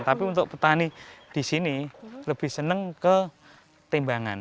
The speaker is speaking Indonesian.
tapi untuk petani di sini lebih senang ke timbangan